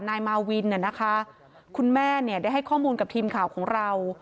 นายมาวิ่นคุณแม่ได้ให้ข้อมูลกับทีมข่าวของเรา